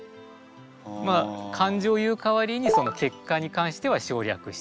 まあ感情を言う代わりに結果に関しては省略している。